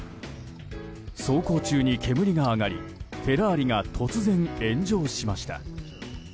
走行中に煙が上がりフェラーリが突然炎上しました。